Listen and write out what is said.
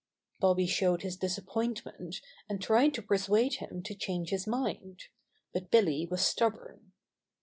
Bobby showed his disappointment, and tried to persuade him to change his mind. But Billy was stubborn.